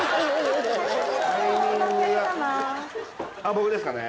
僕ですかね